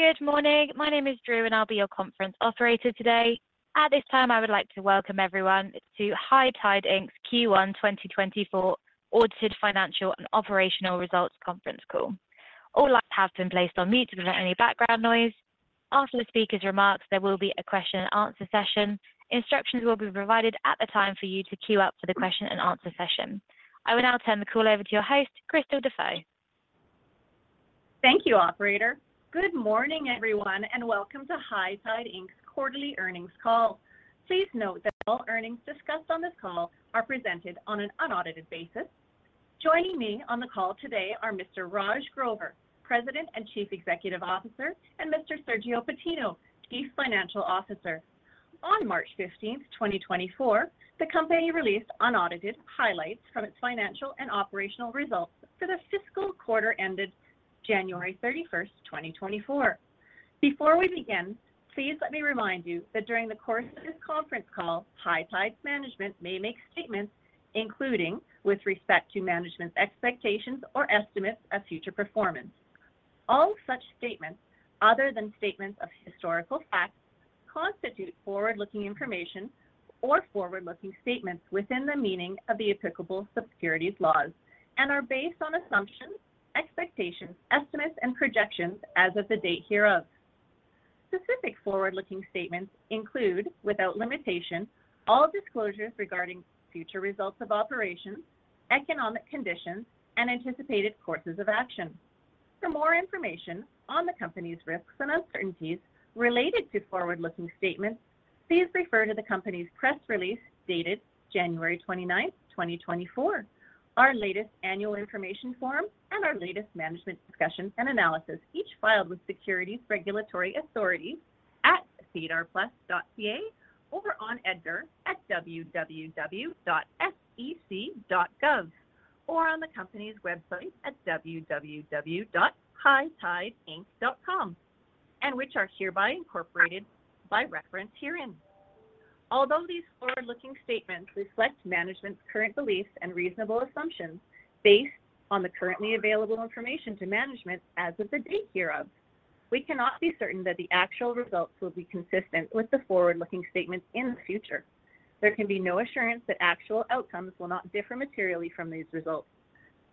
Good morning. My name is Drew, and I'll be your conference operator today. At this time, I would like to welcome everyone to High Tide Inc's Q1 2024 Audited Financial and Operational Results Conference Call. All lines have been placed on mute to prevent any background noise. After the speaker's remarks, there will be a question and answer session. Instructions will be provided at the time for you to queue up for the question and answer session. I will now turn the call over to your host, Krystal Dafoe. Thank you, operator. Good morning, everyone, and welcome to High Tide Inc.'s Quarterly Earnings Call. Please note that all earnings discussed on this call are presented on an unaudited basis. Joining me on the call today are Mr. Raj Grover, President and Chief Executive Officer, and Mr. Sergio Patino, Chief Financial Officer. On March 15th, 2024, the company released unaudited highlights from its financial and operational results for the fiscal quarter ended January 31st, 2024. Before we begin, please let me remind you that during the course of this conference call, High Tide's management may make statements, including with respect to management's expectations or estimates of future performance. All such statements, other than statements of historical facts, constitute forward-looking information or forward-looking statements within the meaning of the applicable securities laws and are based on assumptions, expectations, estimates, and projections as of the date hereof. Specific forward-looking statements include, without limitation, all disclosures regarding future results of operations, economic conditions, and anticipated courses of action. For more information on the company's risks and uncertainties related to forward-looking statements, please refer to the company's press release dated January 29, 2024, our latest annual information form, and our latest management discussion and analysis, each filed with securities regulatory authorities at sedarplus.ca or on EDGAR at www.sec.gov, or on the company's website at www.hightideinc.com, and which are hereby incorporated by reference herein. Although these forward-looking statements reflect management's current beliefs and reasonable assumptions based on the currently available information to management as of the date hereof, we cannot be certain that the actual results will be consistent with the forward-looking statements in the future. There can be no assurance that actual outcomes will not differ materially from these results.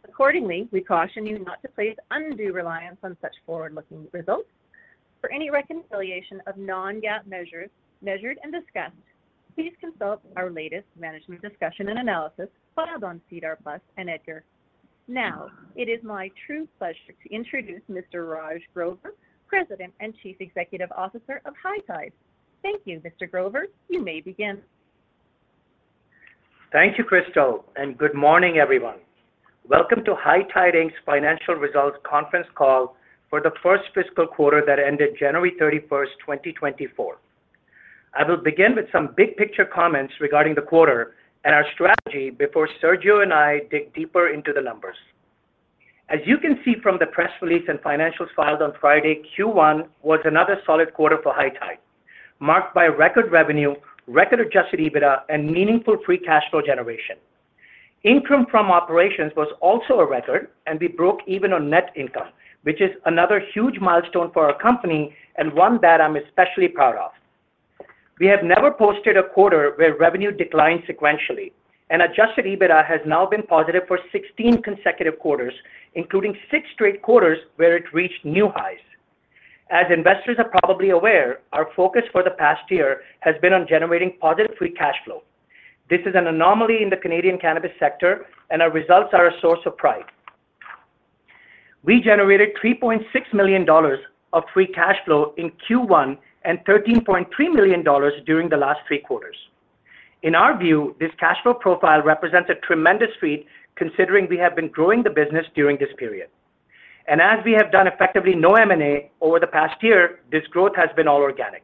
Accordingly, we caution you not to place undue reliance on such forward-looking results. For any reconciliation of non-GAAP measures, measured and discussed, please consult our latest management discussion and analysis filed on SEDAR+ and EDGAR. Now, it is my true pleasure to introduce Mr. Raj Grover, President and Chief Executive Officer of High Tide. Thank you, Mr. Grover. You may begin. Thank you, Crystal, and good morning, everyone. Welcome to High Tide Inc.'s Financial Results conference call for the first fiscal quarter that ended January 31st, 2024. I will begin with some big picture comments regarding the quarter and our strategy before Sergio and I dig deeper into the numbers. As you can see from the press release and financials filed on Friday, Q1 was another solid quarter for High Tide, marked by record revenue, record Adjusted EBITDA, and meaningful Free Cash Flow generation. Income from operations was also a record, and we broke even on net income, which is another huge milestone for our company and one that I'm especially proud of. We have never posted a quarter where revenue declined sequentially, and Adjusted EBITDA has now been positive for 16 consecutive quarters, including 6 straight quarters where it reached new highs. As investors are probably aware, our focus for the past year has been on generating positive free cash flow. This is an anomaly in the Canadian cannabis sector, and our results are a source of pride. We generated 3.6 million dollars of free cash flow in Q1 and 13.3 million dollars during the last three quarters. In our view, this cash flow profile represents a tremendous feat, considering we have been growing the business during this period. As we have done effectively no M&A over the past year, this growth has been all organic.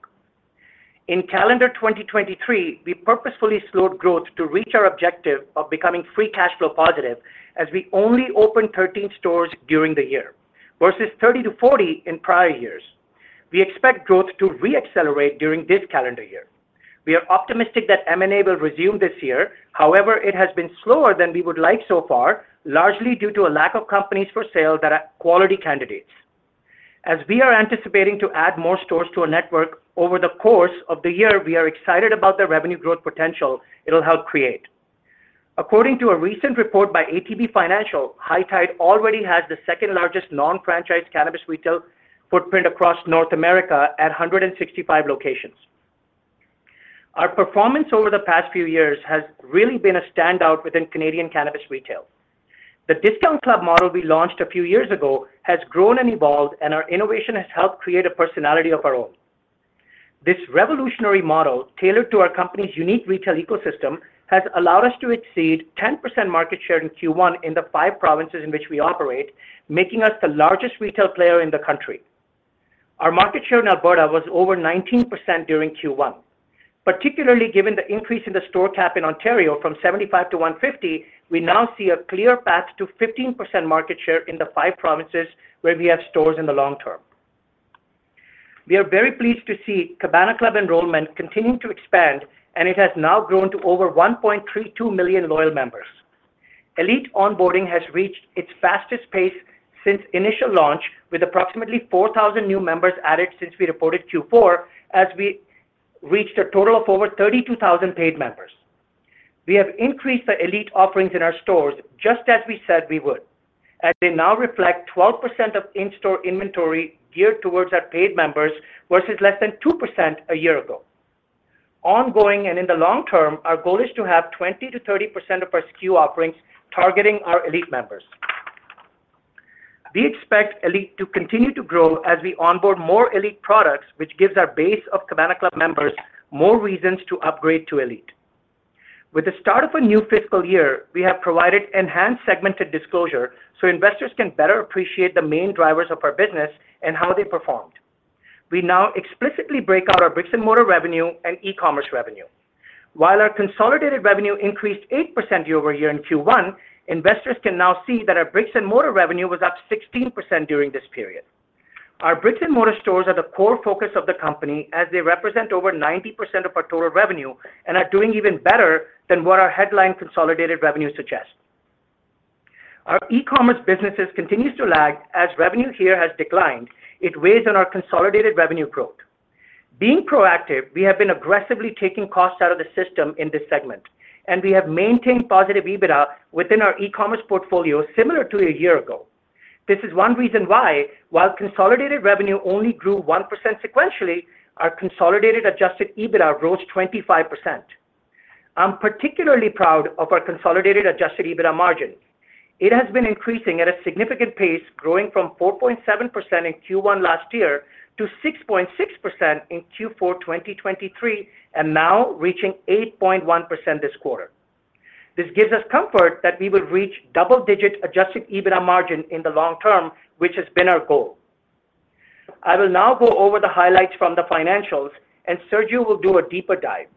In calendar 2023, we purposefully slowed growth to reach our objective of becoming free cash flow positive, as we only opened 13 stores during the year, versus 30-40 in prior years. We expect growth to re-accelerate during this calendar year. We are optimistic that M&A will resume this year. However, it has been slower than we would like so far, largely due to a lack of companies for sale that are quality candidates. As we are anticipating to add more stores to our network over the course of the year, we are excited about the revenue growth potential it'll help create. According to a recent report by ATB Financial, High Tide already has the second-largest non-franchised cannabis retail footprint across North America at 165 locations. Our performance over the past few years has really been a standout within Canadian cannabis retail. The discount club model we launched a few years ago has grown and evolved, and our innovation has helped create a personality of our own. This revolutionary model, tailored to our company's unique retail ecosystem, has allowed us to exceed 10% market share in Q1 in the five provinces in which we operate, making us the largest retail player in the country. Our market share in Alberta was over 19% during Q1. Particularly, given the increase in the store cap in Ontario from 75 to 150, we now see a clear path to 15% market share in the five provinces where we have stores in the long term. We are very pleased to see Cabana Club enrollment continuing to expand, and it has now grown to over 1.32 million loyal members. Elite onboarding has reached its fastest pace since initial launch, with approximately 4,000 new members added since we reported Q4, as we reached a total of over 32,000 paid members. We have increased the Elite offerings in our stores, just as we said we would, as they now reflect 12% of in-store inventory geared towards our paid members, versus less than 2% a year ago. Ongoing, and in the long term, our goal is to have 20%-30% of our SKU offerings targeting our Elite members. We expect Elite to continue to grow as we onboard more Elite products, which gives our base of Cabana Club members more reasons to upgrade to Elite. With the start of a new fiscal year, we have provided enhanced segmented disclosure so investors can better appreciate the main drivers of our business and how they performed. We now explicitly break out our brick-and-mortar revenue and e-commerce revenue. While our consolidated revenue increased 8% year-over-year in Q1, investors can now see that our brick-and-mortar revenue was up 16% during this period. Our brick-and-mortar stores are the core focus of the company, as they represent over 90% of our total revenue and are doing even better than what our headline consolidated revenue suggests. Our e-commerce business continues to lag as revenue here has declined. It weighs on our consolidated revenue growth. Being proactive, we have been aggressively taking costs out of the system in this segment, and we have maintained positive EBITDA within our e-commerce portfolio, similar to a year ago. This is one reason why, while consolidated revenue only grew 1% sequentially, our consolidated adjusted EBITDA rose 25%. I'm particularly proud of our consolidated adjusted EBITDA margin. It has been increasing at a significant pace, growing from 4.7% in Q1 last year to 6.6% in Q4 2023, and now reaching 8.1% this quarter. This gives us comfort that we will reach double-digit Adjusted EBITDA margin in the long term, which has been our goal. I will now go over the highlights from the financials, and Sergio will do a deeper dive.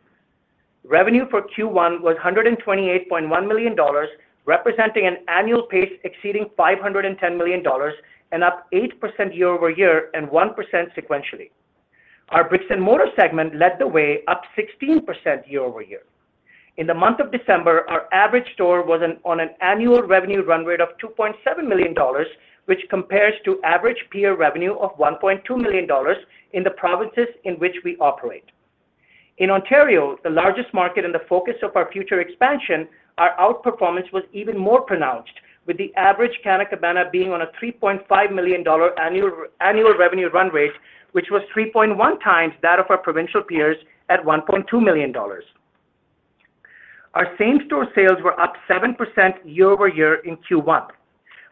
Revenue for Q1 was 128.1 million dollars, representing an annual pace exceeding 510 million dollars, and up 8% year-over-year and 1% sequentially. Our brick-and-mortar segment led the way, up 16% year-over-year. In the month of December, our average store was on an annual revenue run rate of 2.7 million dollars, which compares to average peer revenue of 1.2 million dollars in the provinces in which we operate. In Ontario, the largest market and the focus of our future expansion, our outperformance was even more pronounced, with the average Canna Cabana being on a 3.5 million dollar annual revenue run rate, which was 3.1 times that of our provincial peers at 1.2 million dollars. Our same-store sales were up 7% year-over-year in Q1.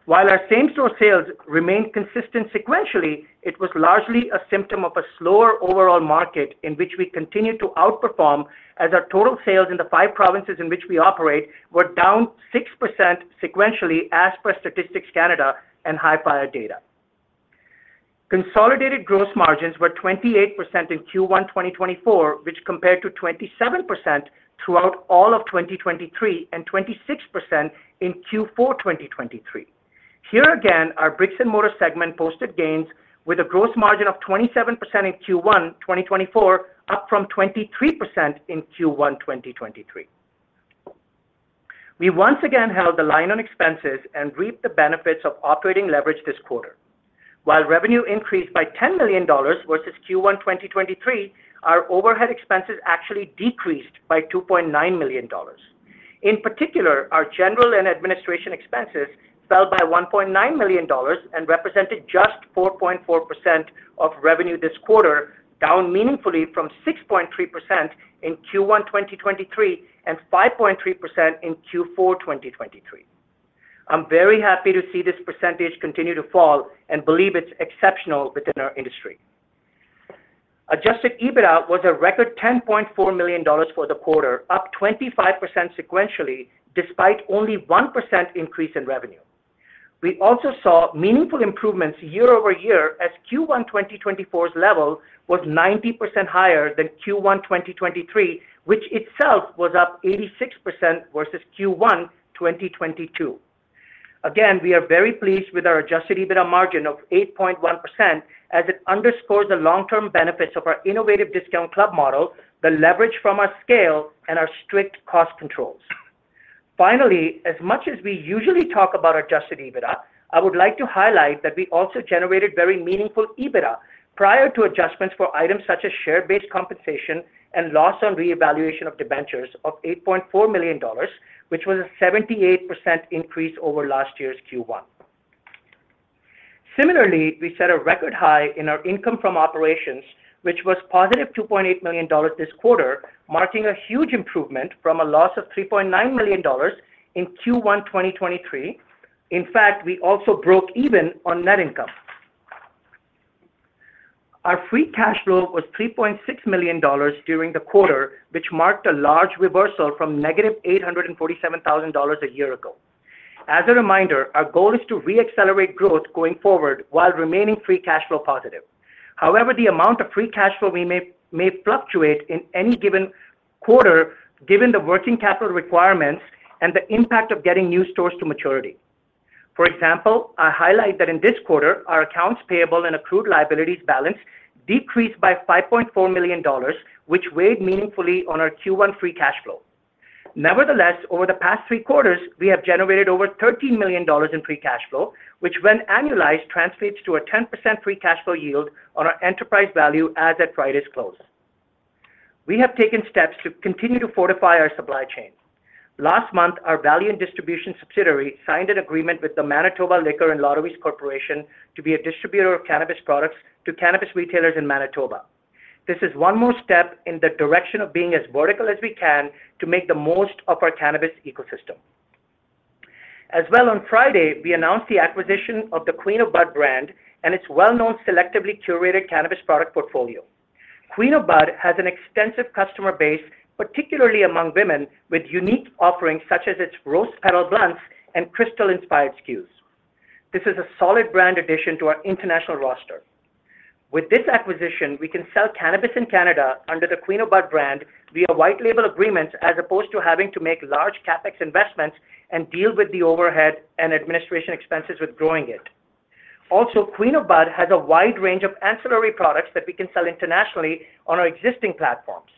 While our same-store sales remained consistent sequentially, it was largely a symptom of a slower overall market in which we continued to outperform, as our total sales in the five provinces in which we operate were down 6% sequentially, as per Statistics Canada and HiFyre data. Consolidated gross margins were 28% in Q1 2024, which compared to 27% throughout all of 2023 and 26% in Q4 2023. Here again, our brick-and-mortar segment posted gains with a gross margin of 27% in Q1 2024, up from 23% in Q1 2023. We once again held the line on expenses and reaped the benefits of operating leverage this quarter. While revenue increased by 10 million dollars versus Q1 2023, our overhead expenses actually decreased by 2.9 million dollars. In particular, our general and administration expenses fell by 1.9 million dollars and represented just 4.4% of revenue this quarter, down meaningfully from 6.3% in Q1, 2023, and 5.3% in Q4, 2023. I'm very happy to see this percentage continue to fall and believe it's exceptional within our industry. Adjusted EBITDA was a record 10.4 million dollars for the quarter, up 25% sequentially, despite only 1% increase in revenue. We also saw meaningful improvements year over year, as Q1, 2024's level was 90% higher than Q1, 2023, which itself was up 86% versus Q1, 2022. Again, we are very pleased with our Adjusted EBITDA margin of 8.1%, as it underscores the long-term benefits of our innovative discount club model, the leverage from our scale, and our strict cost controls. Finally, as much as we usually talk about Adjusted EBITDA, I would like to highlight that we also generated very meaningful EBITDA prior to adjustments for items such as share-based compensation and loss on revaluation of debentures of 8.4 million dollars, which was a 78% increase over last year's Q1. Similarly, we set a record high in our income from operations, which was positive 2.8 million dollars this quarter, marking a huge improvement from a loss of 3.9 million dollars in Q1 2023. In fact, we also broke even on net income. Our free cash flow was 3.6 million dollars during the quarter, which marked a large reversal from -847,000 dollars a year ago. As a reminder, our goal is to re-accelerate growth going forward while remaining free cash flow positive. However, the amount of free cash flow we may fluctuate in any given quarter, given the working capital requirements and the impact of getting new stores to maturity. For example, I highlight that in this quarter, our accounts payable and accrued liabilities balance decreased by 5.4 million dollars, which weighed meaningfully on our Q1 free cash flow. Nevertheless, over the past three quarters, we have generated over 13 million dollars in free cash flow, which when annualized, translates to a 10% free cash flow yield on our enterprise value as at Friday's close. We have taken steps to continue to fortify our supply chain. Last month, our Valiant Distribution subsidiary signed an agreement with the Manitoba Liquor and Lotteries Corporation to be a distributor of cannabis products to cannabis retailers in Manitoba. This is one more step in the direction of being as vertical as we can to make the most of our cannabis ecosystem. As well, on Friday, we announced the acquisition of the Queen of Bud brand and its well-known, selectively curated cannabis product portfolio. Queen of Bud has an extensive customer base, particularly among women, with unique offerings such as its rose petal blunts and crystal-inspired SKUs. This is a solid brand addition to our international roster. With this acquisition, we can sell cannabis in Canada under the Queen of Bud brand via white label agreements, as opposed to having to make large CapEx investments and deal with the overhead and administration expenses with growing it. Also, Queen of Bud has a wide range of ancillary products that we can sell internationally on our existing platforms.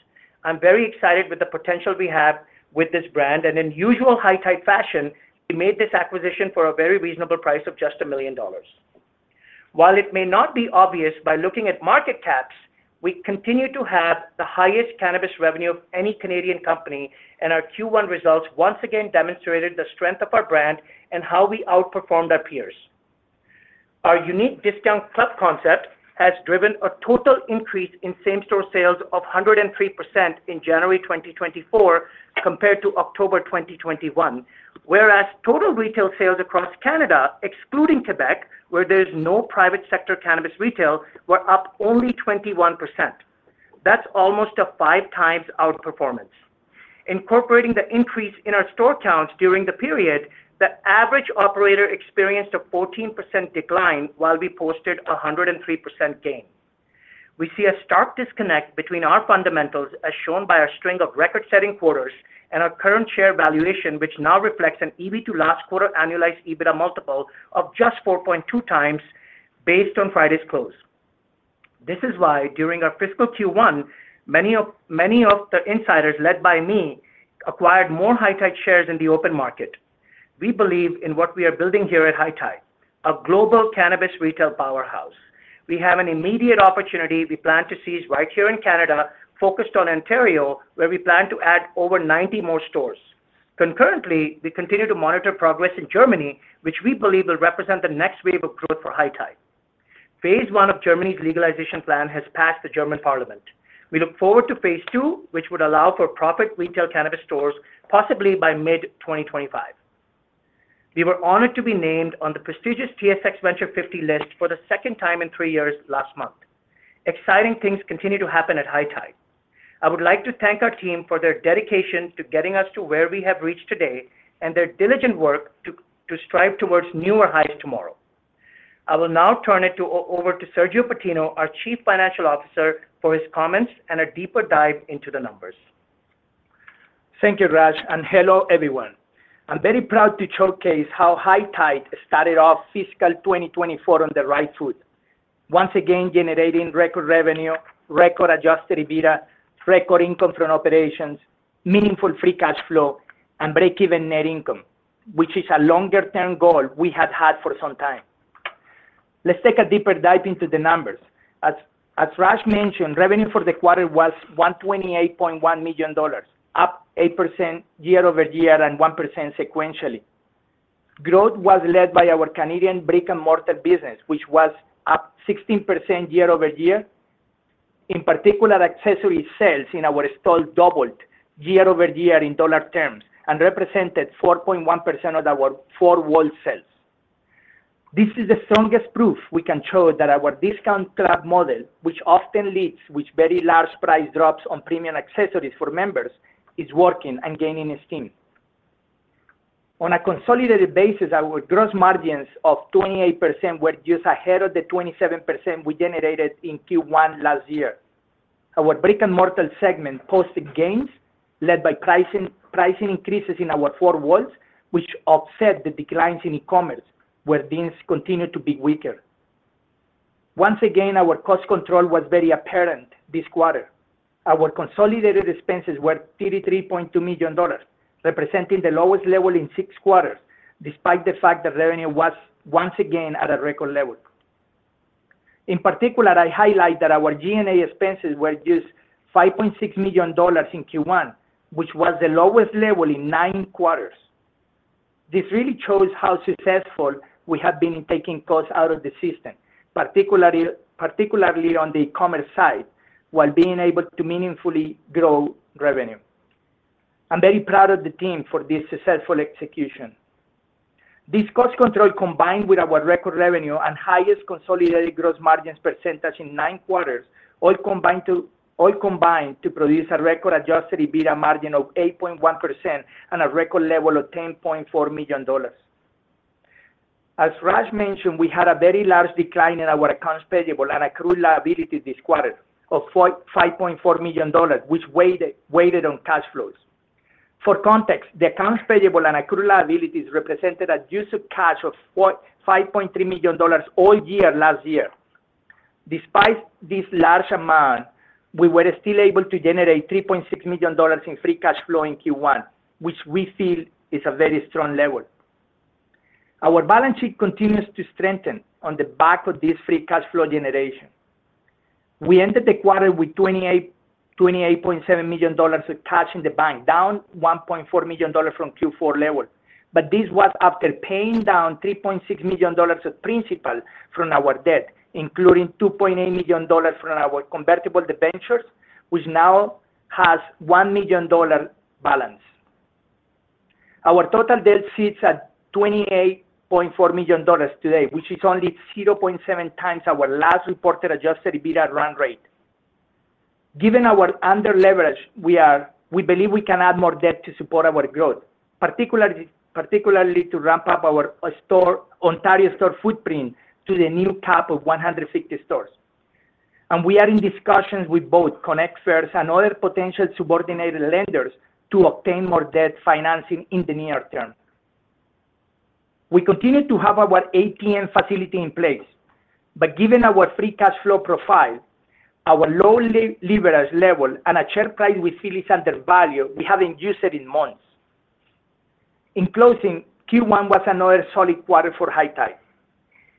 I'm very excited with the potential we have with this brand, and in usual High Tide fashion, we made this acquisition for a very reasonable price of just 1 million dollars. While it may not be obvious by looking at market caps, we continue to have the highest cannabis revenue of any Canadian company, and our Q1 results once again demonstrated the strength of our brand and how we outperformed our peers. Our unique discount club concept has driven a total increase in same-store sales of 103% in January 2024, compared to October 2021, whereas total retail sales across Canada, excluding Quebec, where there is no private sector cannabis retail, were up only 21%. That's almost a 5x outperformance. Incorporating the increase in our store counts during the period, the average operator experienced a 14% decline, while we posted a 103% gain. We see a stark disconnect between our fundamentals, as shown by our string of record-setting quarters and our current share valuation, which now reflects an EV to last quarter annualized EBITDA multiple of just 4.2x, based on Friday's close. This is why, during our fiscal Q1, many of, many of the insiders, led by me, acquired more High Tide shares in the open market. We believe in what we are building here at High Tide, a global cannabis retail powerhouse. We have an immediate opportunity we plan to seize right here in Canada, focused on Ontario, where we plan to add over 90 more stores. Concurrently, we continue to monitor progress in Germany, which we believe will represent the next wave of growth for High Tide. Phase one of Germany's legalization plan has passed the German parliament. We look forward to phase two, which would allow for profit retail cannabis stores, possibly by mid-2025. We were honored to be named on the prestigious TSX Venture 50 list for the second time in three years last month. Exciting things continue to happen at High Tide. I would like to thank our team for their dedication to getting us to where we have reached today, and their diligent work to strive towards newer highs tomorrow. I will now turn it over to Sergio Patino, our Chief Financial Officer, for his comments and a deeper dive into the numbers. Thank you, Raj, and hello, everyone. I'm very proud to showcase how High Tide started off fiscal 2024 on the right foot. Once again, generating record revenue, record Adjusted EBITDA, record income from operations, meaningful Free Cash Flow, and break-even net income, which is a longer-term goal we had had for some time. Let's take a deeper dive into the numbers. As Raj mentioned, revenue for the quarter was 128.1 million dollars, up 8% year-over-year and 1% sequentially. Growth was led by our Canadian brick-and-mortar business, which was up 16% year-over-year. In particular, accessory sales in our store doubled year-over-year in dollar terms and represented 4.1% of our four wall sales. This is the strongest proof we can show that our discount club model, which often leads with very large price drops on premium accessories for members, is working and gaining steam. On a consolidated basis, our gross margins of 28% were just ahead of the 27% we generated in Q1 last year. Our brick-and-mortar segment posted gains led by pricing, pricing increases in our four walls, which offset the declines in e-commerce, where things continued to be weaker. Once again, our cost control was very apparent this quarter. Our consolidated expenses were 33.2 million dollars, representing the lowest level in six quarters, despite the fact that revenue was once again at a record level. In particular, I highlight that our G&A expenses were just 5.6 million dollars in Q1, which was the lowest level in nine quarters. This really shows how successful we have been in taking costs out of the system, particularly, particularly on the e-commerce side, while being able to meaningfully grow revenue. I'm very proud of the team for this successful execution. This cost control, combined with our record revenue and highest consolidated gross margins percentage in nine quarters, all combined to- all combined to produce a record adjusted EBITDA margin of 8.1% and a record level of 10.4 million dollars. As Raj mentioned, we had a very large decline in our accounts payable and accrued liability this quarter of 5.4 million dollars, which weighed, weighted on cash flows. For context, the accounts payable and accrued liabilities represented a use of cash of 5.3 million dollars all year last year. Despite this large amount, we were still able to generate 3.6 million dollars in free cash flow in Q1, which we feel is a very strong level. Our balance sheet continues to strengthen on the back of this free cash flow generation. We ended the quarter with 28.7 million dollars of cash in the bank, down 1.4 million dollars from Q4 level. But this was after paying down 3.6 million dollars of principal from our debt, including 2.8 million dollars from our convertible debentures, which now has 1 million dollar balance. Our total debt sits at 28.4 million dollars today, which is only 0.7 times our last reported Adjusted EBITDA run rate. Given our under leverage, we believe we can add more debt to support our growth, particularly, particularly to ramp up our store, Ontario store footprint to the new cap of 150 stores. We are in discussions with both Connect First and other potential subordinated lenders to obtain more debt financing in the near term. We continue to have our ATM facility in place, but given our free cash flow profile, our low leverage level and a share price we feel is undervalued, we haven't used it in months. In closing, Q1 was another solid quarter for High Tide.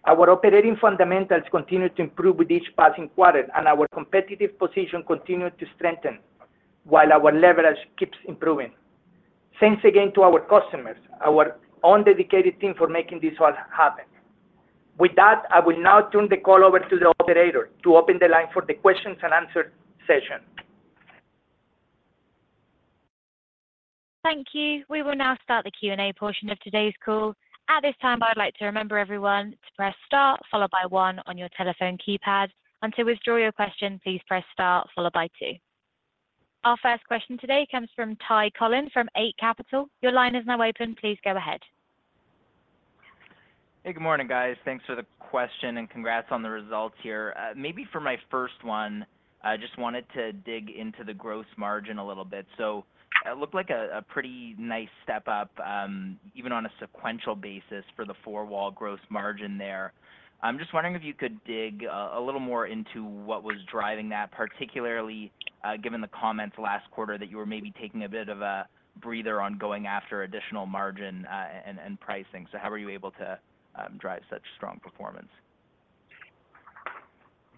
Our operating fundamentals continue to improve with each passing quarter, and our competitive position continued to strengthen while our leverage keeps improving. Thanks again to our customers, our own dedicated team, for making this all happen. With that, I will now turn the call over to the operator to open the line for the questions and answer session. Thank you. We will now start the Q&A portion of today's call. At this time, I'd like to remind everyone to press Star, followed by One on your telephone keypad. And to withdraw your question, please press Star followed by Two. Our first question today comes from Ty Collin, from Eight Capital. Your line is now open. Please go ahead. Hey, good morning, guys. Thanks for the question and congrats on the results here. Maybe for my first one, I just wanted to dig into the gross margin a little bit. So it looked like a pretty nice step up, even on a sequential basis for the four-wall gross margin there. I'm just wondering if you could dig a little more into what was driving that, particularly, given the comments last quarter, that you were maybe taking a bit of a breather on going after additional margin, and pricing. So how were you able to drive such strong performance?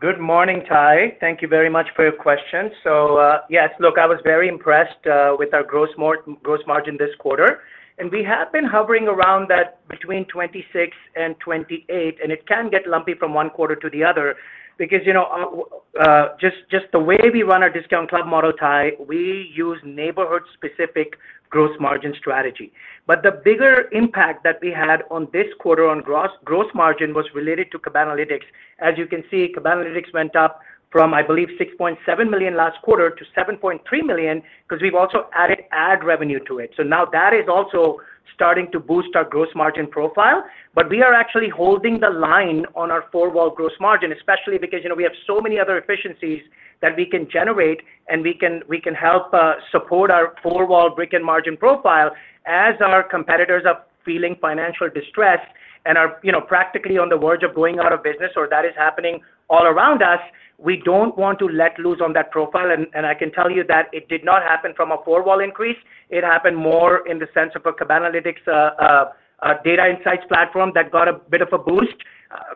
Good morning, Ty. Thank you very much for your question. So, yes, look, I was very impressed with our gross margin this quarter, and we have been hovering around that between 26 and 28, and it can get lumpy from one quarter to the other because, you know, just the way we run our discount club model, Ty, we use neighborhood-specific gross margin strategy. But the bigger impact that we had on this quarter on gross margin was related to Cabanalytics. As you can see, Cabanalytics went up from, I believe, 6.7 million last quarter to 7.3 million, because we've also added ad revenue to it. So now that is also starting to boost our gross margin profile. But we are actually holding the line on our four-wall gross margin, especially because, you know, we have so many other efficiencies that we can generate, and we can, we can help support our four-wall brick-and-mortar margin profile as our competitors are feeling financial distress and are, you know, practically on the verge of going out of business or that is happening all around us. We don't want to let loose on that profile, and, and I can tell you that it did not happen from a four-wall increase. It happened more in the sense of a Cabanalytics data insights platform that got a bit of a boost.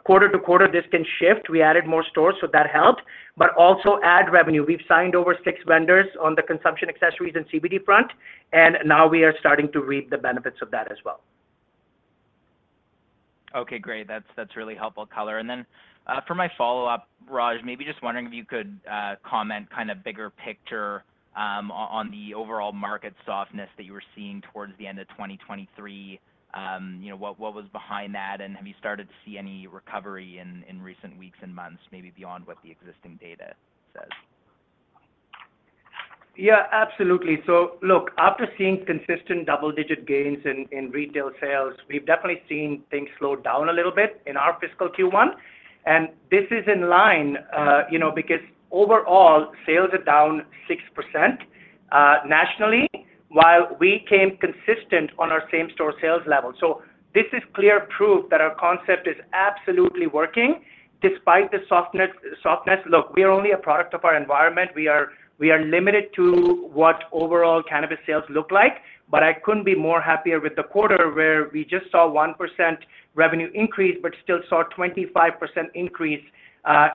Quarter-to-quarter, this can shift. We added more stores, so that helped. But also ad revenue. We've signed over six vendors on the consumption, accessories, and CBD front, and now we are starting to reap the benefits of that as well. Okay, great. That's, that's really helpful color. And then, for my follow-up, Raj, maybe just wondering if you could, comment kind of bigger picture, on the overall market softness that you were seeing towards the end of 2023. You know, what, what was behind that, and have you started to see any recovery in recent weeks and months, maybe beyond what the existing data says? Yeah, absolutely. So look, after seeing consistent double-digit gains in retail sales, we've definitely seen things slow down a little bit in our fiscal Q1. And this is in line, you know, because overall sales are down 6%, nationally, while we came consistent on our same-store sales level. So this is clear proof that our concept is absolutely working despite the softness. Look, we are only a product of our environment. We are limited to what overall cannabis sales look like, but I couldn't be more happier with the quarter, where we just saw 1% revenue increase, but still saw 25% increase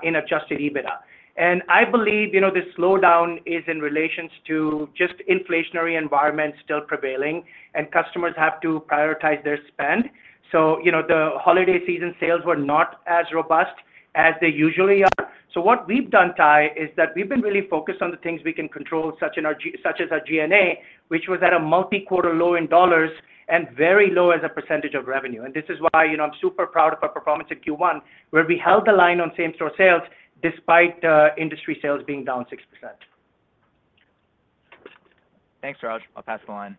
in Adjusted EBITDA. And I believe, you know, this slowdown is in relations to just inflationary environment still prevailing and customers have to prioritize their spend. So, you know, the holiday season sales were not as robust as they usually are. So what we've done, Ty, is that we've been really focused on the things we can control, such as our G&A, which was at a multi-quarter low in dollars and very low as a percentage of revenue. And this is why, you know, I'm super proud of our performance in Q1, where we held the line on same-store sales despite industry sales being down 6%. Thanks, Raj. I'll pass the line.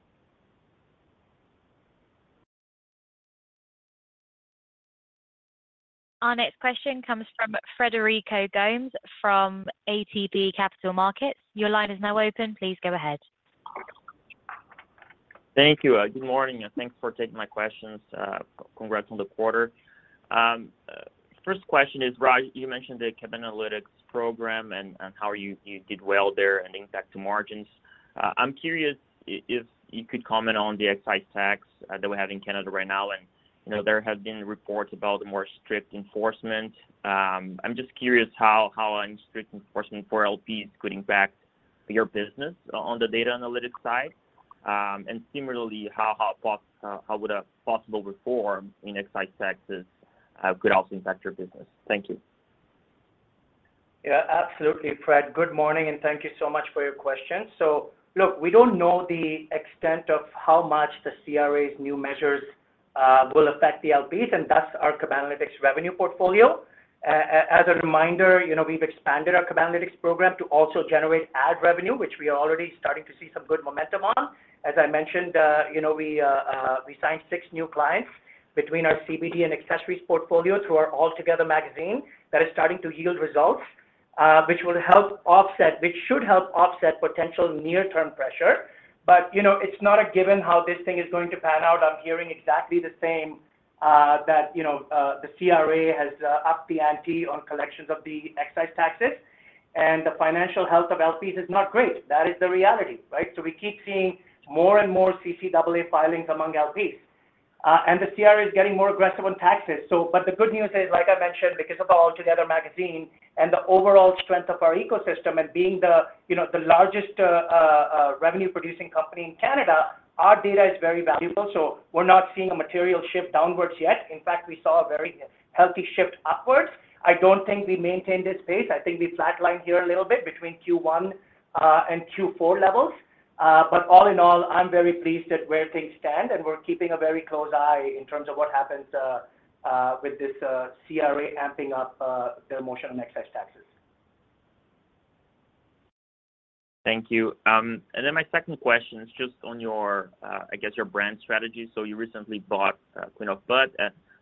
Our next question comes from Frederico Gomes from ATB Capital Markets. Your line is now open. Please go ahead. Thank you. Good morning, and thanks for taking my questions. Congrats on the quarter. First question is, Raj, you mentioned the Cabanalytics program and how you did well there and impact to margins. I'm curious if you could comment on the excise tax that we have in Canada right now, and you know, there have been reports about the more strict enforcement. I'm just curious how a strict enforcement for LPs could impact your business on the data analytics side. And similarly, how would a possible reform in excise taxes could also impact your business? Thank you. Yeah, absolutely, Fred. Good morning, and thank you so much for your question. So look, we don't know the extent of how much the CRA's new measures will affect the LPs, and thus our Cabanalytics revenue portfolio. As a reminder, you know, we've expanded our Cabanalytics program to also generate ad revenue, which we are already starting to see some good momentum on. As I mentioned, you know, we signed six new clients between our CBD and accessories portfolio through our All Together magazine that is starting to yield results, which will help offset... Which should help offset potential near-term pressure. But, you know, it's not a given how this thing is going to pan out. I'm hearing exactly the same, that, you know, the CRA has upped the ante on collections of the excise taxes, and the financial health of LPs is not great. That is the reality, right? So we keep seeing more and more CCAA filings among LPs. And the CRA is getting more aggressive on taxes. So, but the good news is, like I mentioned, because of our All Together magazine and the overall strength of our ecosystem and being the, you know, the largest, revenue-producing company in Canada, our data is very valuable. So we're not seeing a material shift downwards yet. In fact, we saw a very healthy shift upwards. I don't think we maintained this pace. I think we flatlined here a little bit between Q1 and Q4 levels. All in all, I'm very pleased at where things stand, and we're keeping a very close eye in terms of what happens with this CRA amping up their motion on excise taxes. Thank you. And then my second question is just on your, I guess your brand strategy. So you recently bought Queen of Bud,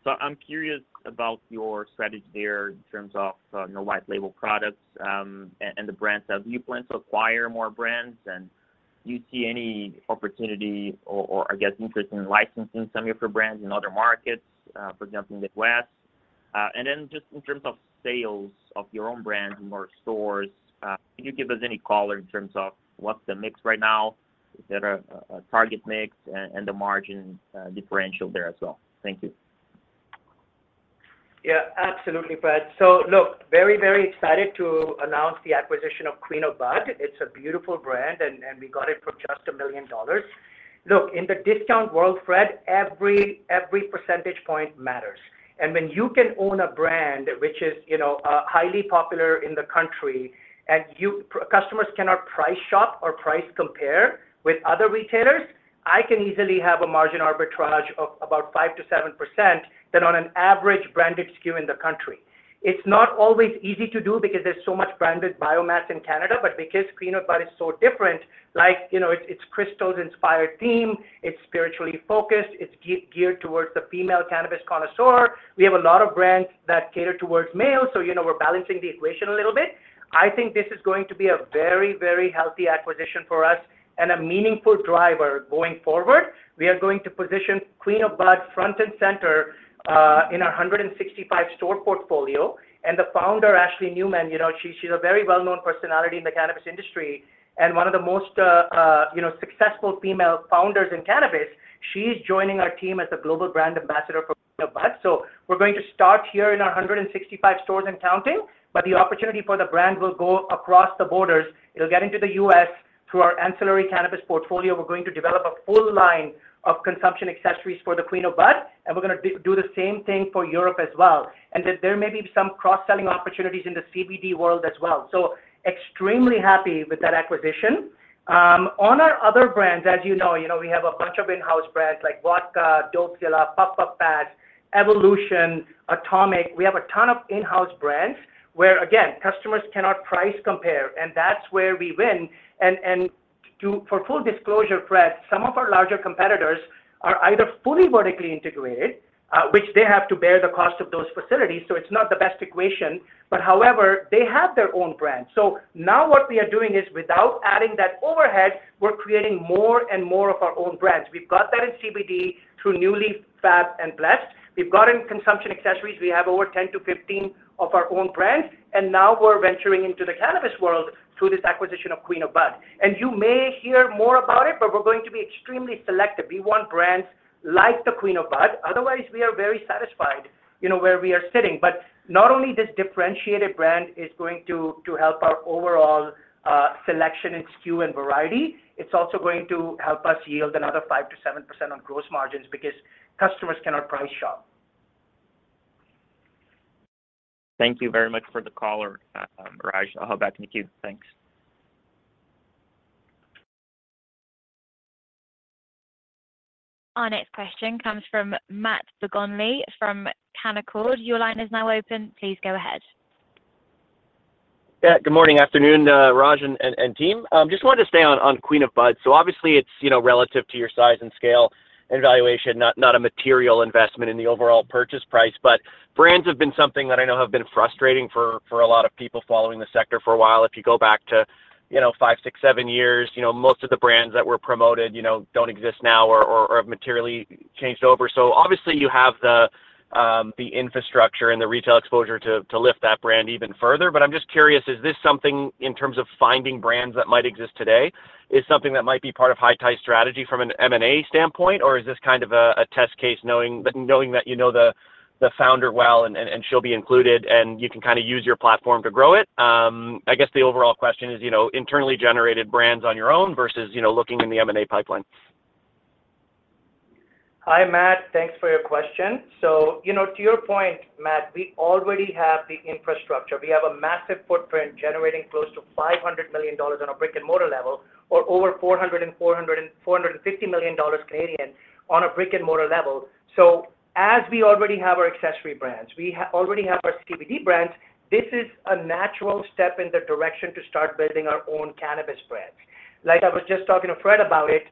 so I'm curious about your strategy there in terms of, you know, white label products and the brands. Do you plan to acquire more brands? And do you see any opportunity or I guess, interest in licensing some of your brands in other markets, for example, in the West? And then just in terms of sales of your own brands in more stores, can you give us any color in terms of what's the mix right now, is there a target mix and the margin differential there as well? Thank you. Yeah, absolutely, Fred. So look, very, very excited to announce the acquisition of Queen of Bud. It's a beautiful brand, and, and we got it for just 1 million dollars. Look, in the discount world, Fred, every, every percentage point matters. And when you can own a brand, which is, you know, highly popular in the country, and your customers cannot price shop or price compare with other retailers, I can easily have a margin arbitrage of about 5%-7% than on an average branded SKU in the country. It's not always easy to do because there's so much branded biomass in Canada, but because Queen of Bud is so different, like, you know, it's, it's crystals-inspired theme, it's spiritually focused, it's geared towards the female cannabis connoisseur. We have a lot of brands that cater towards males, so, you know, we're balancing the equation a little bit. I think this is going to be a very, very healthy acquisition for us and a meaningful driver going forward. We are going to position Queen of Bud front and center in our 165-store portfolio. The founder, Ashley Newman, you know, she, she's a very well-known personality in the cannabis industry and one of the most, you know, successful female founders in cannabis. She's joining our team as a global brand ambassador for Queen of Bud. We're going to start here in our 165 stores and counting, but the opportunity for the brand will go across the borders. It'll get into the US. Through our ancillary cannabis portfolio, we're going to develop a full line of consumption accessories for the Queen of Bud, and we're gonna do the same thing for Europe as well. And then there may be some cross-selling opportunities in the CBD world as well. So extremely happy with that acquisition. On our other brands, as you know, you know, we have a bunch of in-house brands like Vodka, Dopezilla, Puff Puff Pass, Evolution, Atomic. We have a ton of in-house brands where, again, customers cannot price compare, and that's where we win. And for full disclosure, Fred, some of our larger competitors are either fully vertically integrated, which they have to bear the cost of those facilities, so it's not the best equation, but however, they have their own brands. So now what we are doing is, without adding that overhead, we're creating more and more of our own brands. We've got that in CBD through NuLeaf, FAB, and Blessed. We've got in consumption accessories, we have over 10-15 of our own brands, and now we're venturing into the cannabis world through this acquisition of Queen of Bud. And you may hear more about it, but we're going to be extremely selective. We want brands like the Queen of Bud, otherwise we are very satisfied, you know, where we are sitting. But not only this differentiated brand is going to help our overall selection and SKU and variety, it's also going to help us yield another 5%-7% on gross margins because customers cannot price shop. Thank you very much for the color, Raj. I'll hop back to the queue. Thanks. Our next question comes from Matt Bottomley from Canaccord Genuity. Your line is now open. Please go ahead. Yeah, good morning, afternoon, Raj and team. Just wanted to stay on Queen of Bud. So obviously it's, you know, relative to your size and scale and valuation, not a material investment in the overall purchase price. But brands have been something that I know have been frustrating for a lot of people following the sector for a while. If you go back to, you know, five, six, seven years, you know, most of the brands that were promoted, you know, don't exist now or have materially changed over. So obviously, you have the infrastructure and the retail exposure to lift that brand even further. But I'm just curious, is this something in terms of finding brands that might exist today, is something that might be part of High Tide strategy from an M&A standpoint? Or is this kind of a test case knowing that you know the founder well, and she'll be included, and you can kind of use your platform to grow it? I guess the overall question is, you know, internally generated brands on your own versus, you know, looking in the M&A pipeline. Hi, Matt, thanks for your question. So, you know, to your point, Matt, we already have the infrastructure. We have a massive footprint generating close to $500 million on a brick-and-mortar level, or over 450 million dollars on a brick-and-mortar level. So as we already have our accessory brands, we already have our CBD brands, this is a natural step in the direction to start building our own cannabis brands. Like I was just talking to Fred about it,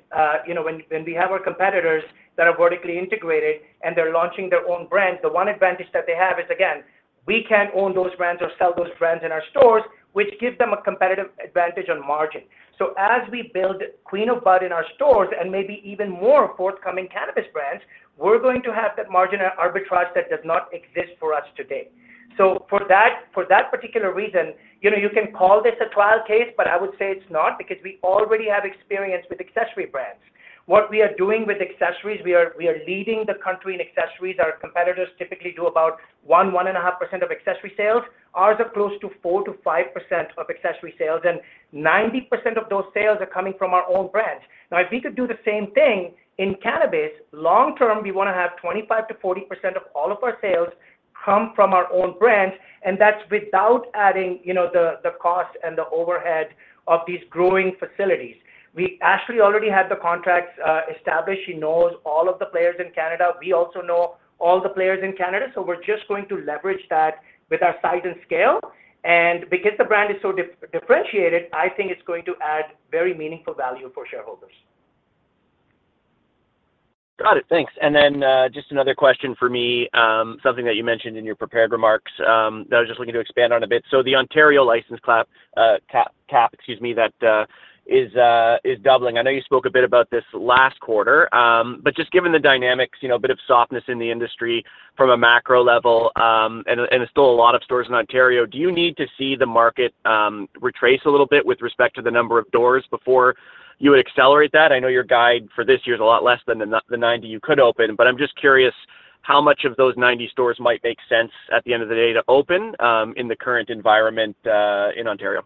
you know, when we have our competitors that are vertically integrated and they're launching their own brands, the one advantage that they have is, again, we can't own those brands or sell those brands in our stores, which gives them a competitive advantage on margin. So as we build Queen of Bud in our stores and maybe even more forthcoming cannabis brands, we're going to have that margin arbitrage that does not exist for us today. So for that, for that particular reason, you know, you can call this a trial case, but I would say it's not because we already have experience with accessory brands. What we are doing with accessories, we are leading the country in accessories. Our competitors typically do about 1, 1.5% of accessory sales. Ours are close to 4%-5% of accessory sales, and 90% of those sales are coming from our own brands. Now, if we could do the same thing in cannabis, long term, we wanna have 25%-40% of all of our sales come from our own brands, and that's without adding, you know, the cost and the overhead of these growing facilities. Ashley already had the contracts established. She knows all of the players in Canada. We also know all the players in Canada, so we're just going to leverage that with our size and scale. And because the brand is so differentiated, I think it's going to add very meaningful value for shareholders. Got it. Thanks. Then, just another question for me, something that you mentioned in your prepared remarks, that I was just looking to expand on a bit. So the Ontario license cap, excuse me, that is doubling. I know you spoke a bit about this last quarter, but just given the dynamics, you know, a bit of softness in the industry from a macro level, and there's still a lot of stores in Ontario, do you need to see the market retrace a little bit with respect to the number of doors before you would accelerate that? I know your guide for this year is a lot less than the 90 you could open, but I'm just curious how much of those 90 stores might make sense at the end of the day to open, in the current environment, in Ontario?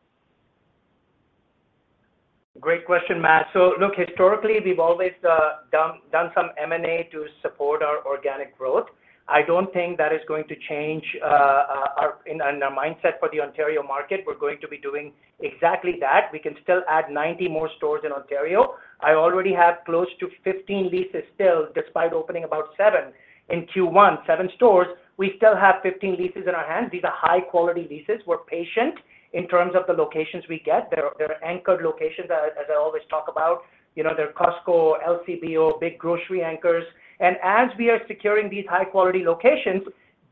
Great question, Matt. So look, historically, we've always done some M&A to support our organic growth. I don't think that is going to change our mindset for the Ontario market. We're going to be doing exactly that. We can still add 90 more stores in Ontario. I already have close to 15 leases still, despite opening about 7 in Q1, 7 stores. We still have 15 leases in our hands. These are high-quality leases. We're patient in terms of the locations we get. They're anchored locations, as I always talk about. You know, they're Costco, LCBO, big grocery anchors. As we are securing these high-quality locations,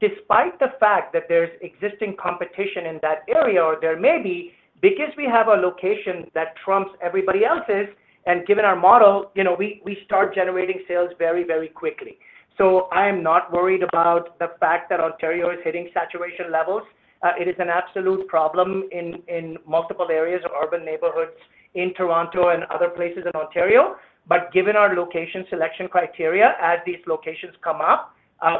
despite the fact that there's existing competition in that area, or there may be, because we have a location that trumps everybody else's, and given our model, you know, we start generating sales very, very quickly. So I'm not worried about the fact that Ontario is hitting saturation levels. It is an absolute problem in multiple areas of urban neighborhoods in Toronto and other places in Ontario. But given our location selection criteria, as these locations come up,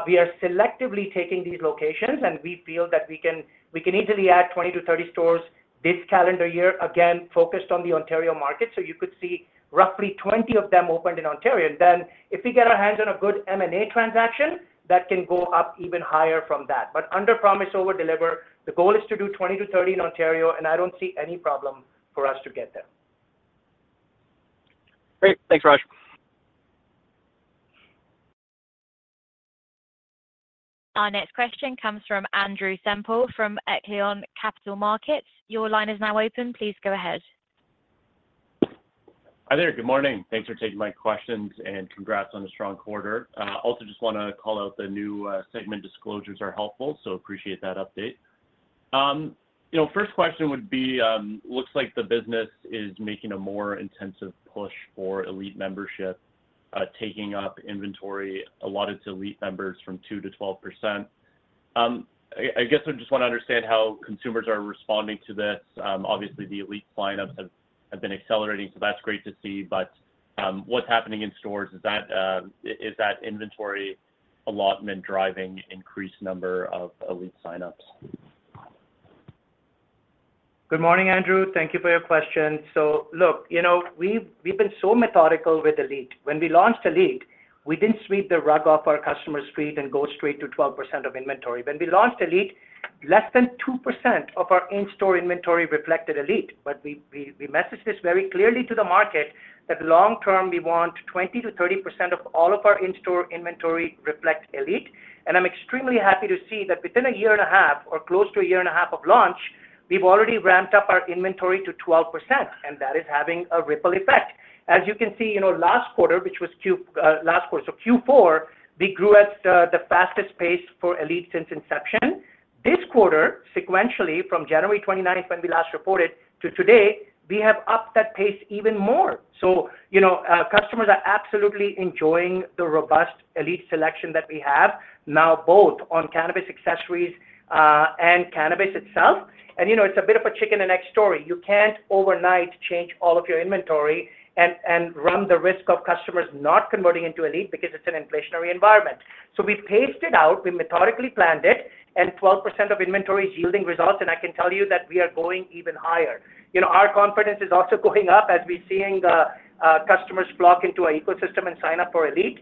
we are selectively taking these locations, and we feel that we can easily add 20-30 stores this calendar year, again, focused on the Ontario market. So you could see roughly 20 of them opened in Ontario. Then, if we get our hands on a good M&A transaction, that can go up even higher from that. Underpromise, overdeliver, the goal is to do 20-30 in Ontario, and I don't see any problem for us to get there. Great. Thanks, Raj. Our next question comes from Andrew Semple from Echelon Capital Markets. Your line is now open. Please go ahead. Hi there. Good morning. Thanks for taking my questions and congrats on a strong quarter. Also just want to call out the new segment disclosures are helpful, so appreciate that update. You know, first question would be, looks like the business is making a more intensive push for ELITE membership, taking up inventory allotted to ELITE members from 2%-12%. I guess I just want to understand how consumers are responding to this. Obviously, the ELITE sign-ups have been accelerating, so that's great to see. But, what's happening in stores, is that inventory allotment driving increased number of ELITE sign-ups? Good morning, Andrew. Thank you for your question. So look, you know, we've been so methodical with Elite. When we launched Elite, we didn't sweep the rug off our customer's feet and go straight to 12% of inventory. When we launched Elite, less than 2% of our in-store inventory reflected Elite, but we messaged this very clearly to the market that long term we want 20%-30% of all of our in-store inventory reflect Elite. And I'm extremely happy to see that within a year and a half, or close to a year and a half of launch, we've already ramped up our inventory to 12%, and that is having a ripple effect. As you can see, you know, last quarter, which was Q last quarter, so Q4, we grew at the fastest pace for Elite since inception.... This quarter, sequentially from January 29th, when we last reported, to today, we have upped that pace even more. So, you know, customers are absolutely enjoying the robust Elite selection that we have now, both on cannabis accessories, and cannabis itself. And, you know, it's a bit of a chicken and egg story. You can't overnight change all of your inventory and, and run the risk of customers not converting into Elite because it's an inflationary environment. So we've paced it out, we methodically planned it, and 12% of inventory is yielding results, and I can tell you that we are going even higher. You know, our confidence is also going up as we're seeing the, customers flock into our ecosystem and sign up for Elite.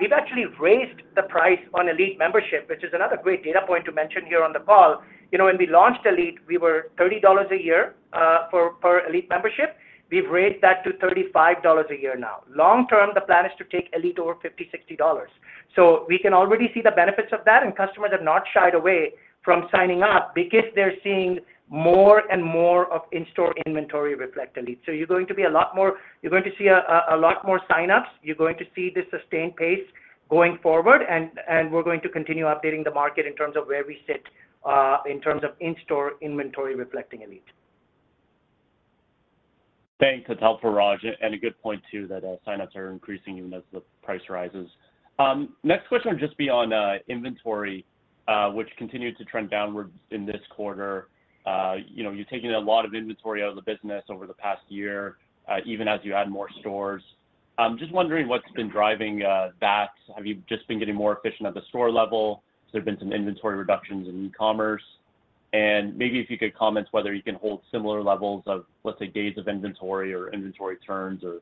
We've actually raised the price on Elite membership, which is another great data point to mention here on the call. You know, when we launched Elite, we were 30 dollars a year, for per Elite membership. We've raised that to 35 dollars a year now. Long term, the plan is to take Elite over 50, 60 dollars. So we can already see the benefits of that, and customers have not shied away from signing up because they're seeing more and more of in-store inventory reflect Elite. So you're going to be a lot more. You're going to see a lot more sign-ups. You're going to see the sustained pace going forward, and we're going to continue updating the market in terms of where we sit, in terms of in-store inventory reflecting Elite. Thanks. That's helpful, Raj. And a good point, too, that sign-ups are increasing even as the price rises. Next question will just be on inventory, which continued to trend downwards in this quarter. You know, you're taking a lot of inventory out of the business over the past year, even as you add more stores. Just wondering what's been driving that. Have you just been getting more efficient at the store level? Has there been some inventory reductions in e-commerce? And maybe if you could comment whether you can hold similar levels of, let's say, days of inventory or inventory turns or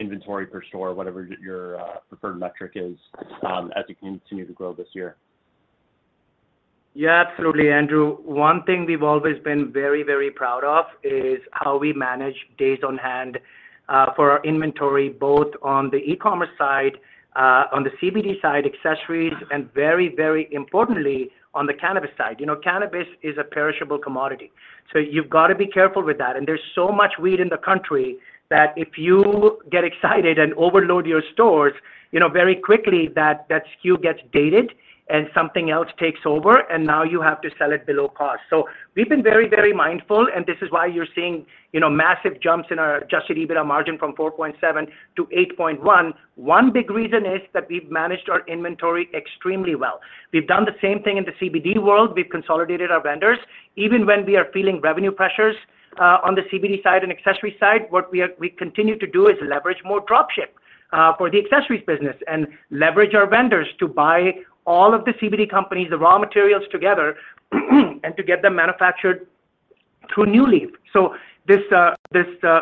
inventory per store, whatever your preferred metric is, as you continue to grow this year. Yeah, absolutely, Andrew. One thing we've always been very, very proud of is how we manage days on hand for our inventory, both on the e-commerce side, on the CBD side, accessories, and very, very importantly, on the cannabis side. You know, cannabis is a perishable commodity, so you've got to be careful with that. And there's so much weed in the country that if you get excited and overload your stores, you know, very quickly, that SKU gets dated and something else takes over, and now you have to sell it below cost. So we've been very, very mindful, and this is why you're seeing, you know, massive jumps in our adjusted EBITDA margin from 4.7%-8.1%. One big reason is that we've managed our inventory extremely well. We've done the same thing in the CBD world. We've consolidated our vendors. Even when we are feeling revenue pressures on the CBD side and accessory side, we continue to do is leverage more drop ship for the accessories business and leverage our vendors to buy all of the CBD companies, the raw materials together, and to get them manufactured through NuLeaf. So this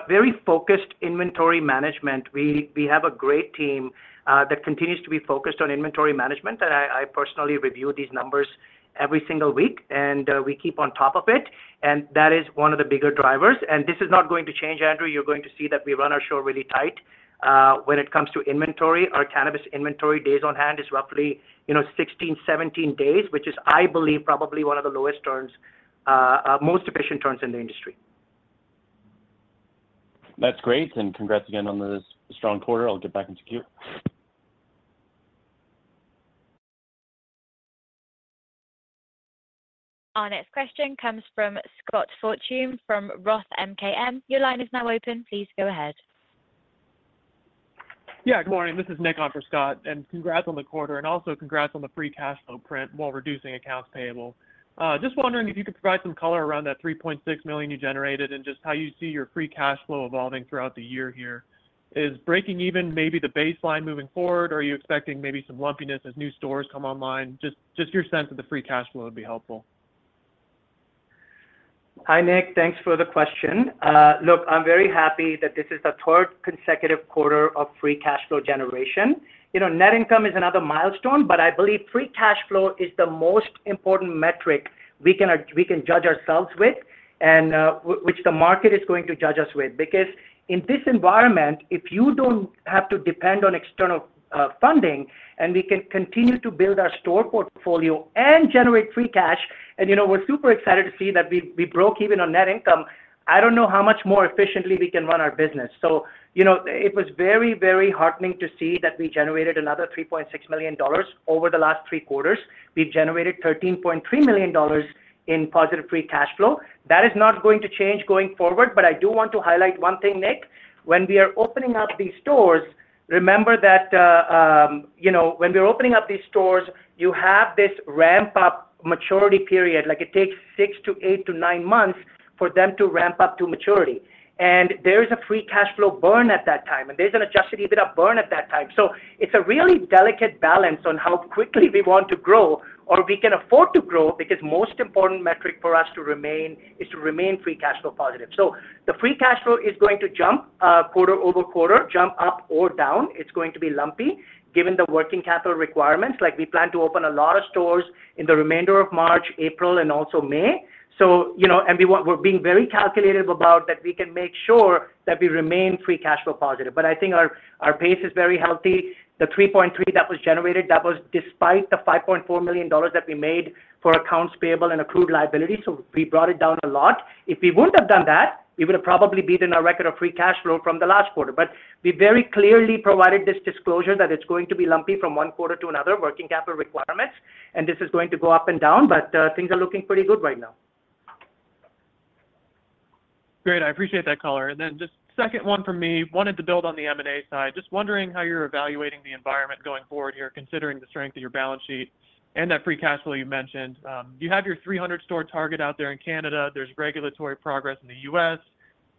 very focused inventory management, we have a great team that continues to be focused on inventory management, and I personally review these numbers every single week, and we keep on top of it, and that is one of the bigger drivers. And this is not going to change, Andrew. You're going to see that we run our show really tight. When it comes to inventory, our cannabis inventory days on hand is roughly, you know, 16, 17 days, which is, I believe, probably one of the lowest turns, most efficient turns in the industry. That's great, and congrats again on this strong quarter. I'll get back into queue. Our next question comes from Scott Fortune from Roth MKM. Your line is now open. Please go ahead. Yeah, good morning. This is Nick on for Scott, and congrats on the quarter, and also congrats on the free cash flow print while reducing accounts payable. Just wondering if you could provide some color around that 3.6 million you generated and just how you see your free cash flow evolving throughout the year here. Is breaking even maybe the baseline moving forward, or are you expecting maybe some lumpiness as new stores come online? Just, just your sense of the free cash flow would be helpful. Hi, Nick. Thanks for the question. Look, I'm very happy that this is the third consecutive quarter of Free Cash Flow generation. You know, net income is another milestone, but I believe Free Cash Flow is the most important metric we can, we can judge ourselves with and, which the market is going to judge us with. Because in this environment, if you don't have to depend on external funding, and we can continue to build our store portfolio and generate free cash, and, you know, we're super excited to see that we broke even on net income, I don't know how much more efficiently we can run our business. So, you know, it was very, very heartening to see that we generated another 3.6 million dollars over the last three quarters. We've generated 13.3 million dollars in positive free cash flow. That is not going to change going forward, but I do want to highlight one thing, Nick. When we are opening up these stores, remember that, you know, when we're opening up these stores, you have this ramp-up maturity period. Like, it takes 6 to 8 to 9 months for them to ramp up to maturity. And there is a free cash flow burn at that time, and there's an Adjusted EBITDA burn at that time. So it's a really delicate balance on how quickly we want to grow or we can afford to grow, because most important metric for us to remain, is to remain free cash flow positive. So the free cash flow is going to jump, quarter-over-quarter, jump up or down. It's going to be lumpy, given the working capital requirements. Like, we plan to open a lot of stores in the remainder of March, April, and also May. So, you know, and we want- we're being very calculative about that we can make sure that we remain free cash flow positive. But I think our, our pace is very healthy. The 3.3 that was generated, that was despite the 5.4 million dollars that we made for accounts payable and accrued liabilities, so we brought it down a lot. If we wouldn't have done that, we would have probably beaten our record of free cash flow from the last quarter. But we very clearly provided this disclosure that it's going to be lumpy from one quarter to another, working capital requirements, and this is going to go up and down, but things are looking pretty good right now. Great, I appreciate that, color. And then just second one from me, wanted to build on the M&A side. Just wondering how you're evaluating the environment going forward here, considering the strength of your balance sheet and that free cash flow you mentioned. You have your 300 store target out there in Canada. There's regulatory progress in the US,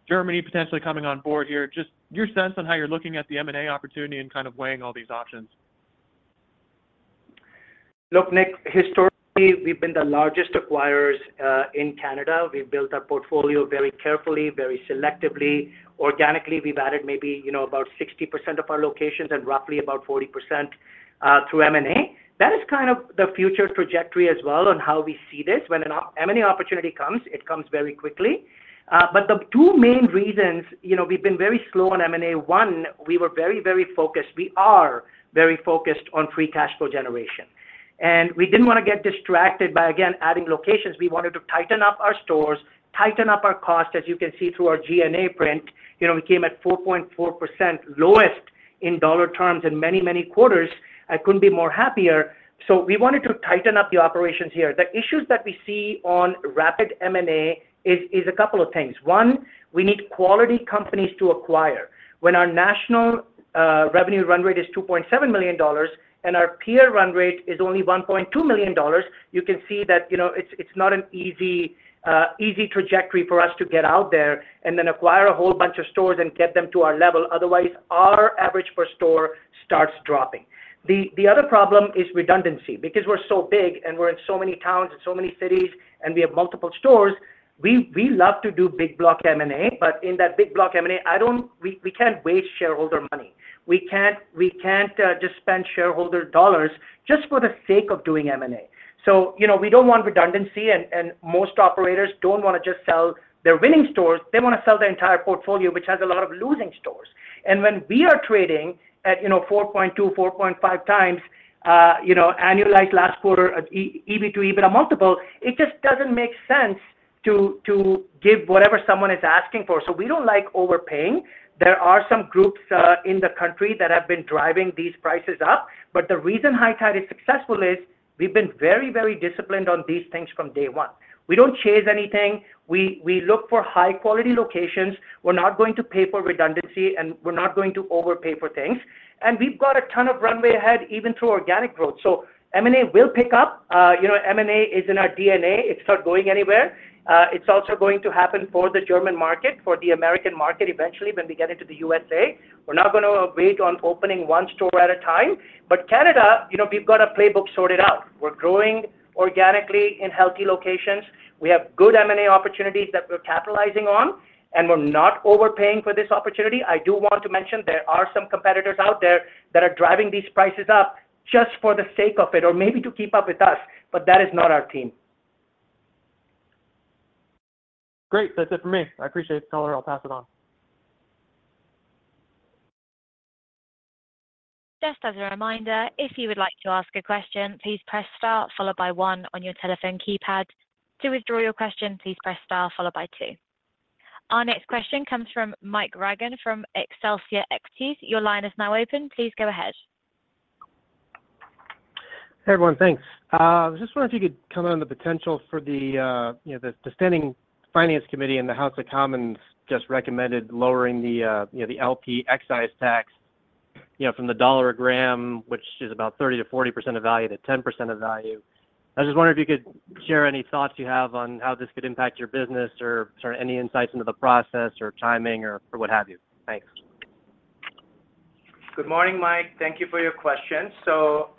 Germany potentially coming on board here. Just your sense on how you're looking at the M&A opportunity and kind of weighing all these options. Look, Nick, historically, we've been the largest acquirers in Canada. We've built our portfolio very carefully, very selectively. Organically, we've added maybe, you know, about 60% of our locations and roughly about 40% through M&A. That is kind of the future trajectory as well on how we see this. When an M&A opportunity comes, it comes very quickly. But the two main reasons, you know, we've been very slow on M&A, one, we were very, very focused. We are very focused on free cash flow generation, and we didn't want to get distracted by, again, adding locations. We wanted to tighten up our stores, tighten up our cost. As you can see through our G&A print, you know, we came at 4.4%, lowest in dollar terms in many, many quarters. I couldn't be more happier. So we wanted to tighten up the operations here. The issues that we see on rapid M&A is, is a couple of things. One, we need quality companies to acquire. When our national revenue run rate is 2.7 million dollars, and our peer run rate is only 1.2 million dollars, you can see that, you know, it's, it's not an easy, easy trajectory for us to get out there and then acquire a whole bunch of stores and get them to our level. Otherwise, our average per store starts dropping. The, the other problem is redundancy. Because we're so big and we're in so many towns and so many cities, and we have multiple stores, we, we love to do big block M&A, but in that big block M&A, we, we can't waste shareholder money. We can't just spend shareholder dollars just for the sake of doing M&A. So, you know, we don't want redundancy, and most operators don't want to just sell their winning stores. They want to sell their entire portfolio, which has a lot of losing stores. And when we are trading at, you know, 4.2-4.5 times, you know, annualized last quarter, at EBITDA multiple, it just doesn't make sense to give whatever someone is asking for. So we don't like overpaying. There are some groups in the country that have been driving these prices up, but the reason High Tide is successful is we've been very, very disciplined on these things from day one. We don't chase anything. We look for high-quality locations. We're not going to pay for redundancy, and we're not going to overpay for things. We've got a ton of runway ahead, even through organic growth. M&A will pick up. You know, M&A is in our DNA. It's not going anywhere. It's also going to happen for the German market, for the American market eventually, when we get into the USA. We're not gonna wait on opening one store at a time, but Canada, you know, we've got a playbook sorted out. We're growing organically in healthy locations. We have good M&A opportunities that we're capitalizing on, and we're not overpaying for this opportunity. I do want to mention there are some competitors out there that are driving these prices up just for the sake of it or maybe to keep up with us, but that is not our team. Great. That's it for me. I appreciate it, color. I'll pass it on. Just as a reminder, if you would like to ask a question, please press star followed by one on your telephone keypad. To withdraw your question, please press star followed by two. Our next question comes from Michael Regan from Excelsior Equities. Your line is now open. Please go ahead. Hey, everyone, thanks. I just wonder if you could comment on the potential for the, you know, the Standing Finance Committee in the House of Commons just recommended lowering the, you know, the LP excise tax, you know, from the $1 a gram, which is about 30%-40% of value, to 10% of value. I just wonder if you could share any thoughts you have on how this could impact your business, or, sort of, any insights into the process or timing or, or what have you. Thanks. Good morning, Mike. Thank you for your question. So,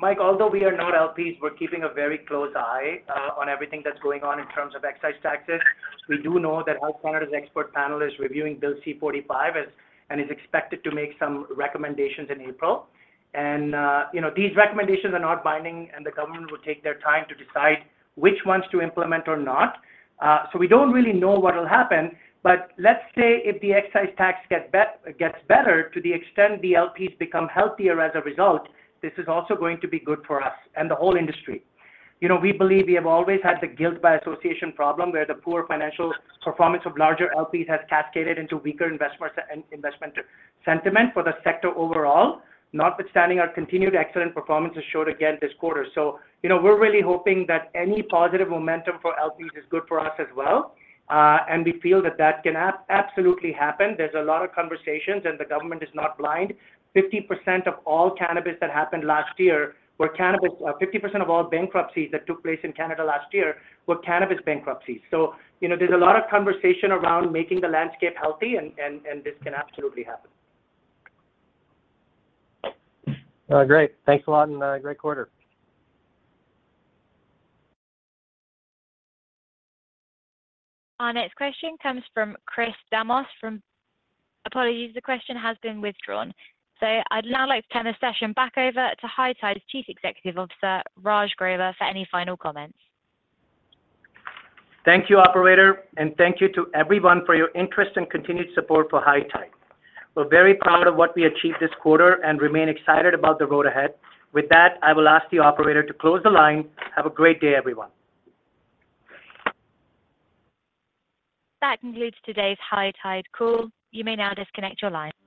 Mike, although we are not LPs, we're keeping a very close eye on everything that's going on in terms of excise taxes. We do know that Health Canada's expert panel is reviewing Bill C-45 and is expected to make some recommendations in April. And, you know, these recommendations are not binding, and the government will take their time to decide which ones to implement or not. So we don't really know what will happen, but let's say if the excise tax gets better, to the extent the LPs become healthier as a result, this is also going to be good for us and the whole industry. You know, we believe we have always had the guilt by association problem, where the poor financial performance of larger LPs has cascaded into weaker investment sentiment for the sector overall, notwithstanding our continued excellent performance as showed again this quarter. So, you know, we're really hoping that any positive momentum for LPs is good for us as well. And we feel that that can absolutely happen. There's a lot of conversations, and the government is not blind. 50% of all cannabis that happened last year were cannabis... 50% of all bankruptcies that took place in Canada last year were cannabis bankruptcies. So, you know, there's a lot of conversation around making the landscape healthy and, and, and this can absolutely happen. Great. Thanks a lot and great quarter. Our next question comes from Chris Damas from... Apologies, the question has been withdrawn. So I'd now like to turn the session back over to High Tide's Chief Executive Officer, Raj Grover, for any final comments. Thank you, operator, and thank you to everyone for your interest and continued support for High Tide. We're very proud of what we achieved this quarter and remain excited about the road ahead. With that, I will ask the operator to close the line. Have a great day, everyone. That concludes today's High Tide call. You may now disconnect your line.